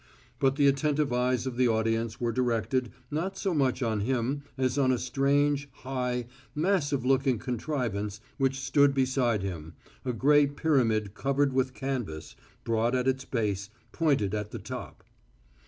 But the attentive eyes of the audience were directed, not so much on him as on a strange, high, massive looking contrivance which stood beside him, a grey pyramid covered with canvas, broad at its base, pointed at the top.